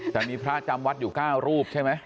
แต่มีพระจำวัดอยู่๙รูปใช่ไหม